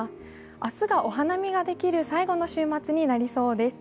明日がお花見ができる最後の週末になりそうです。